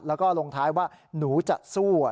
แล้วก็ลงท้ายว่าหนูจะสู้